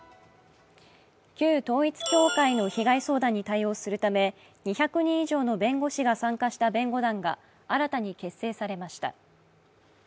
旧統一教会の被害相談に対応するため、２００人以上の弁護士が参加した弁護団が新たに結成されました。